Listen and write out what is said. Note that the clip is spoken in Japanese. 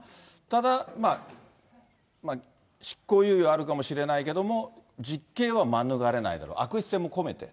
ただ、執行猶予はあるかもしれないけれども、実刑は免れないだろう、悪質性も込めて。